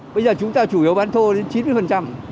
bây giờ chúng ta chủ yếu bán thô đến chín mươi